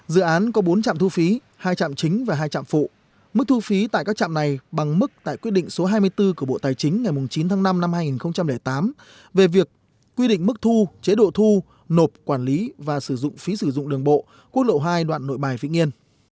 dự án có bốn trạm thu phí hai trạm chính và hai trạm phụ mức thu phí tại các trạm này bằng mức tại quyết định số hai mươi bốn của bộ tài chính ngày chín tháng năm năm hai nghìn tám về việc quy định mức thu chế độ thu nộp quản lý và sử dụng phí sử dụng đường bộ quốc lộ hai đoạn nội bài vĩnh yên